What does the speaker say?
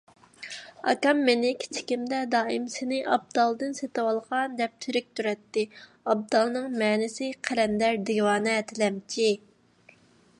ئاكام مېنى كىچىكىمدە دائىم «سېنى ئابدالدىن سېتىۋالغان» دەپ تېرىكتۈرەتتى. ئابدالنىڭ مەنىسى: قەلەندەر، دىۋانە، تىلەمچى.